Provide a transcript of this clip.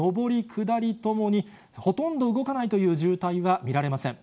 下りともに、ほとんど動かないという渋滞は見られません。